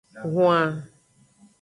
Huan.